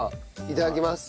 いただきます。